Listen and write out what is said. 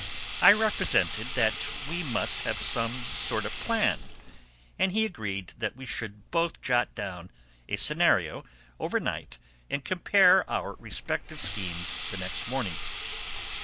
I represented that we must have some sort of plan, and he agreed that we should both jot down a scenario overnight and compare our respective schemes the next morning.